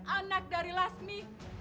anak dari lasmi